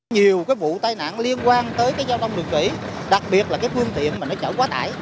nhiều cái vụ tai nạn liên quan tới cái giao thông đường thủy đặc biệt là cái phương tiện mà nó chở quá tải